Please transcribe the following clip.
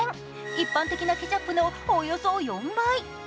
一般的なケチャップのおよそ４倍。